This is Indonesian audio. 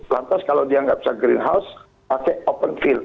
lantas kalau dia nggak bisa greenhouse pakai open feel